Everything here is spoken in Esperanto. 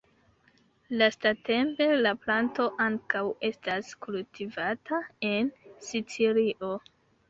Lastatempe la planto ankaŭ estas kultivata en Sicilio.